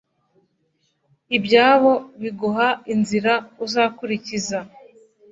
ibyabo biguha inzira uzakurikiza,